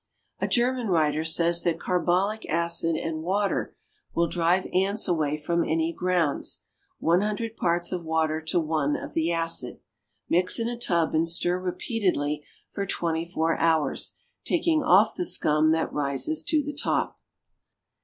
A German writer says that carbolic acid and water will drive ants away from any grounds one hundred parts of water to one of the acid. Mix in a tub and stir repeatedly for twenty four hours, taking off the scum that rises to the top.